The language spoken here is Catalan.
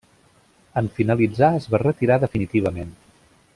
En finalitzar es va retirar definitivament.